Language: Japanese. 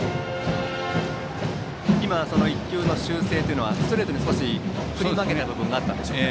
今、１球の修正というのはストレートに振り負けた部分が山田にあったんでしょうか。